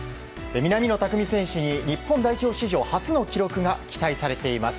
南野拓実選手に日本代表史上初の記録が期待されています。